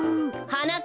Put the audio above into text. はなか